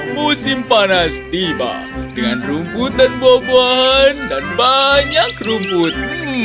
musim panas tiba dengan rumputan boboan dan banyak rumput